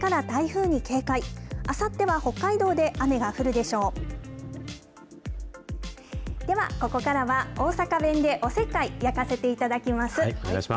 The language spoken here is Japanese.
では、ここからは大阪弁でおせっかいをやかせていただきます。